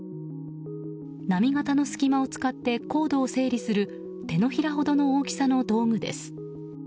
波形の隙間を使ってコードを整理する手のひらほどの大きさの道具です。